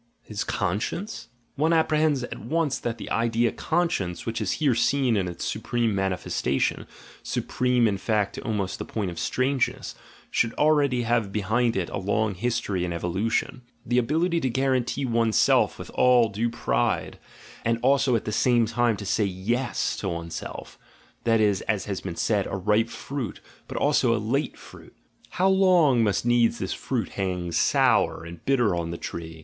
His conscience? — One apprehends at once that the idea "conscience," which is here seen in its supreme mani festation, supreme in fact to almost the point of strange ness, should already have behind it a long history and evolution. The ability to guarantee one's self with all due pride, and also at the same time to say yes to one's self — that is, as has been said, a ripe fruit, but also a late fruit: — How long must needs this fruit hang sour and bitter on the tree!